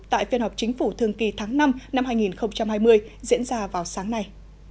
tại phiên họp chính phủ thường kỳ tháng năm năm hai nghìn hai mươi diễn ra vào sáng nay